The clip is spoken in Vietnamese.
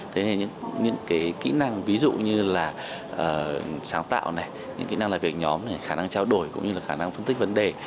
thế nên những kỹ năng ví dụ như là sáng tạo những kỹ năng là việc nhóm khả năng trao đổi cũng như là khả năng phân tích vấn đề